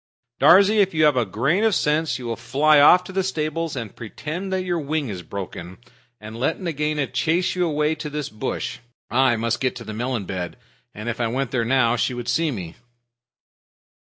Darzee, if you have a grain of sense you will fly off to the stables and pretend that your wing is broken, and let Nagaina chase you away to this bush. I must get to the melon bed, and if I went there now she'd see me."